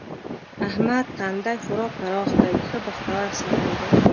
د احمد تندی خورا پراخ دی؛ ښه بختور سړی دی.